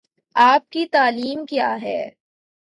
آپ کی تعلیم کیا ہے ؟